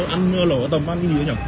ăn lẩu ở tầm ăn cái gì đấy nhỉ